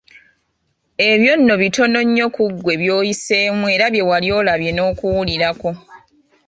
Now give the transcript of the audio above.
Ebyo nno bitono nnyo ku ggwe by'oyiseemu era bye wali olabye n'okuwulirako.